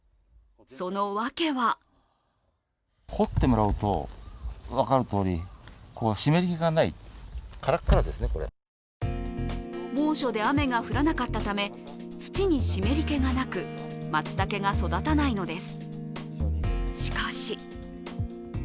そのわけは猛暑で雨が降らなかったため、土に湿り気がなく、松茸が育たないのです。